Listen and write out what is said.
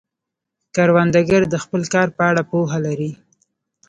کروندګر د خپل کار په اړه پوهه لري